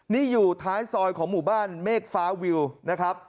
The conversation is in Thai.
นี่อยู่ท้ายซอยของหมู่บ้านเมฆฟ้าวิวนะครับ